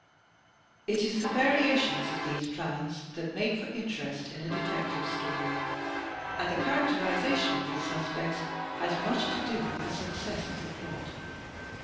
It is the variations of these plans that make for interest in a Detective Story, and the characterization of these sus pects Jias much to do with the success of the plot.